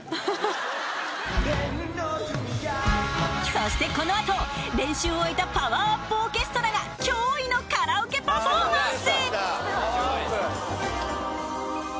そしてこのあと練習を終えたパワーアップオーケストラが驚異のカラオケパフォーマンス